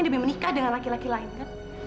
lebih menikah dengan laki laki lain kan